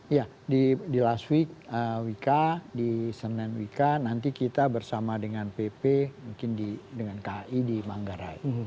iya di laswi wika di senen wika nanti kita bersama dengan pp mungkin di dengan ki di manggarai